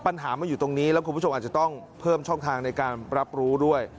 ปัญหามันอยู่ตรงนี้แล้วคุณผู้ชมอาจจะต้องเพิ่มช่องทางในการรับรู้ด้วย